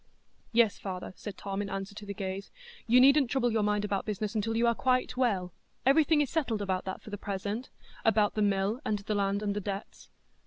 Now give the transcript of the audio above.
"Yes, father," said Tom, in answer to the gaze. "You needn't trouble your mind about business until you are quite well; everything is settled about that for the present,—about the mill and the land and the debts."